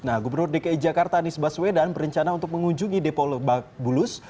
nah gubernur dki jakarta anies baswedan berencana untuk mengunjungi depo lebak bulus